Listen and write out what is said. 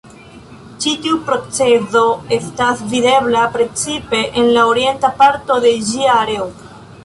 Ĉi tiu procezo estas videbla precipe en la orienta parto de ĝia areo.